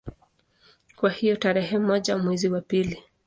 Kwa hiyo tarehe moja mwezi wa pili